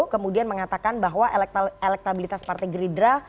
kemudian mengatakan bahwa elektabilitas partai gerindra